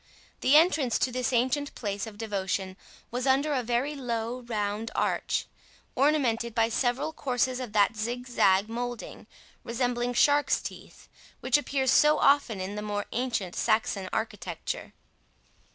The entrance to this ancient place of devotion was under a very low round arch, ornamented by several courses of that zig zag moulding, resembling shark's teeth, which appears so often in the more ancient Saxon architecture.